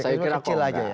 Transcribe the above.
saya kira kok enggak